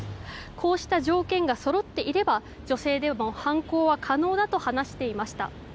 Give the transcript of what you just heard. こうした条件がそろっていれば女性でも犯行は可能だと話していました。